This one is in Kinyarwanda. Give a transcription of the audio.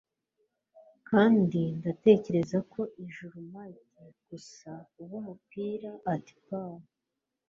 Kandi ndatekereza ko ijuru mught gusa ube umupira '... ati Paul.